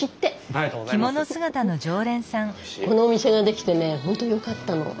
このお店が出来てね本当よかったの。